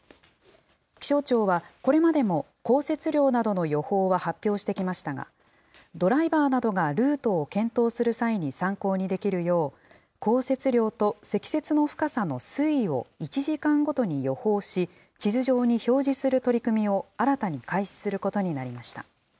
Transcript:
気象庁は、これまでも降雪量などの予報は発表してきましたが、ドライバーなどがルートを検討する際に参考にできるよう、降雪量と積雪の深さの推移を１時間ごとに予報し、地図上に表示する取り組みを新たに開始することになりました。